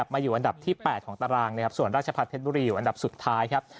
มาอยู่อันดับที่๘ของตารางนะครับส่วนราชพัฒนบุรีอยู่อันดับสุดท้ายครับ